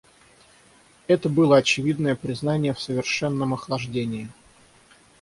Это было очевидное признание в совершенном охлаждении.